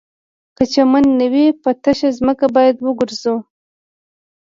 که چمن نه وي په تشه ځمکه باید وګرځو